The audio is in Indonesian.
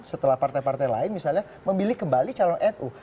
setelah partai partai lain misalnya memilih kembali calon nu